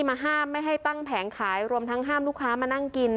มาห้ามไม่ให้ตั้งแผงขายรวมทั้งห้ามลูกค้ามานั่งกิน